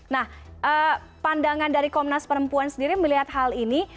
nah pandangan dari komnas perempuan sendiri melihat hal ini